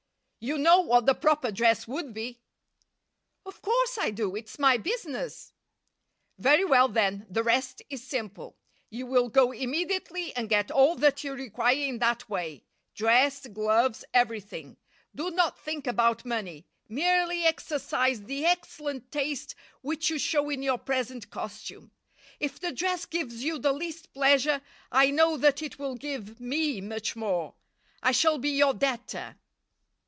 "You know what the proper dress would be?" "Of course I do. It's my business." "Very well, then, the rest is simple. You will go immediately and get all that you require in that way dress, gloves, everything. Do not think about money, merely exercise the excellent taste which you show in your present costume. If the dress gives you the least pleasure, I know that it will give me much more. I shall be your debtor."